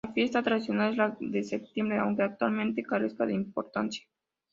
La fiesta tradicional es la de septiembre aunque actualmente carezca de importancia.